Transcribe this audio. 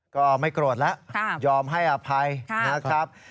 ก็ไม่โกรธแล้วยอมให้อภัยนะครับ